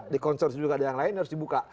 di konsorsi juga ada yang lain harus dibuka